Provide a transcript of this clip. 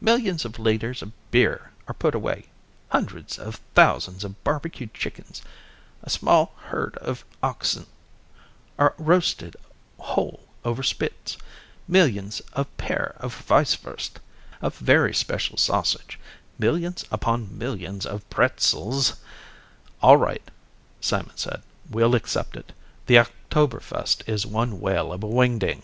Millions of liters of beer are put away, hundreds of thousands of barbecued chickens, a small herd of oxen are roasted whole over spits, millions of pair of weisswurst, a very special sausage, millions upon millions of pretzels " "All right," Simon said. "We'll accept it. The Oktoberfest is one whale of a wingding."